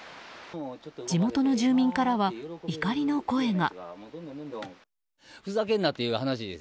地元の住民からは怒りの声が。